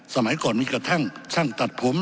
สมัยก่อนมีกระทั่งช่างตัดผม